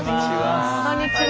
こんにちは。